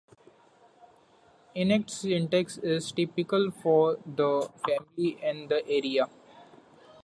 Enets syntax is typical for the family and the area.